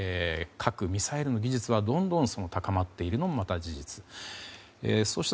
一方で核・ミサイルの技術はどんどん高まっているのもまた、事実です。